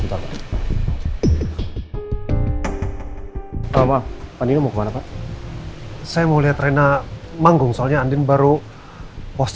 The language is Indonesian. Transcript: itu bapak itu bapak